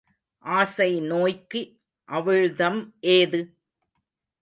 ஆசை நோய்க்கு அவிழ்தம் ஏது?